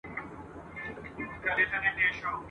بلبل سمدستي را ووت په هوا سو !.